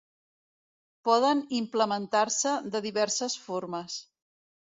Poden implementar-se de diverses formes.